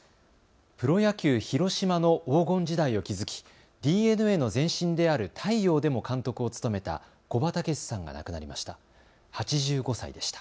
プロ野球、広島の黄金時代を築きＤｅＮＡの前身である大洋でも監督を務めた古葉竹識さんが亡くなりました。